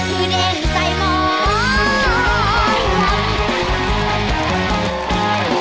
คือเดงใส่หม้อย